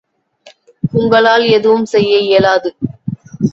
உங்களால் எதுவும் செய்ய இயலாது.